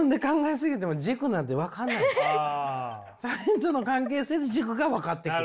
他人との関係性で軸が分かってくる。